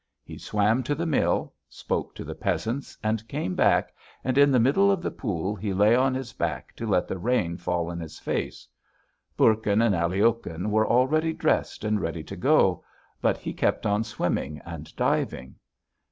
He swam to the mill, spoke to the peasants, and came back, and in the middle of the pool he lay on his back to let the rain fall on his face. Bourkin and Aliokhin were already dressed and ready to go, but he kept on swimming and diving.